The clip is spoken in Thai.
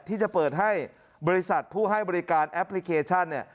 ที่จะเปิดให้บริษัทผู้ให้บริการแอปพลิเคชันเนี่ย